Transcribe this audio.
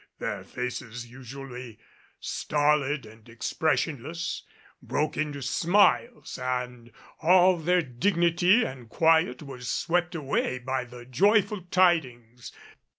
Their faces, usually stolid and expressionless, broke into smiles; and all their dignity and quiet was swept away by the joyful tidings.